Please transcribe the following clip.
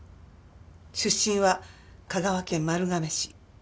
出身は香川県丸亀市。